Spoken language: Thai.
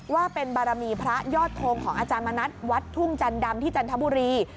ว่าเป็นบารมีพระยอดทงของอาจารย์มณัฐวัดทุ่งจันดำที่จันทบุรี